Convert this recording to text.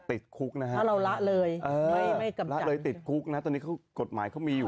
ติดคุกนะฮะถ้าเราละเลยไม่กำละเลยติดคุกนะตอนนี้เขากฎหมายเขามีอยู่